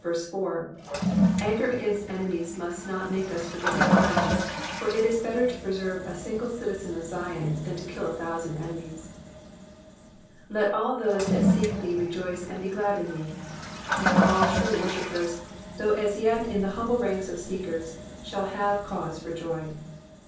Anger against enemies must not make us forget our friends, for it id better to preserve a single citizen of Ziou, than to kill a thousand enemies. ^''Let all those tliat seek thee rejoice and he glad in thee.'*'* All true worshippers, though as yet in the humble ranks of seekers, shall have cause for joy.